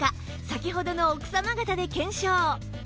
先ほどの奥様方で検証